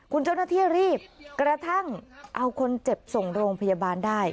คุณเจ้าหน้าที่รีบกระทั่งเอาคนเจ็บส่งโรงพยาบาลได้